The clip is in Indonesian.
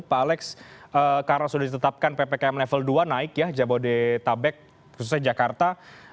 pak alex karena sudah ditetapkan ppkm level dua naik ya jabodetabek khususnya jakarta